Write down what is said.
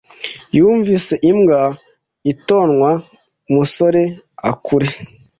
Yumvise imbwa itonwa musorea kure